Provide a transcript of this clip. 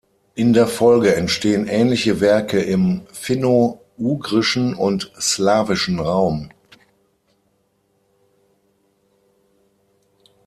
In der Folge entstehen ähnliche Werke im finno-ugrischen und slawischen Raum.